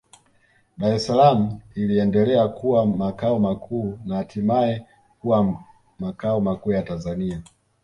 Dar es Salaam iliendelea kuwa makao makuu na hatimaye kuwa makao makuu ya Tanzania